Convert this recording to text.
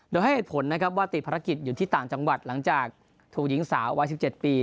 โดยให้เหตุผลนะครับว่าติดภารกิจอยู่ที่ต่างจังหวัดหลังจากถูกหญิงสาววัย๑๗ปี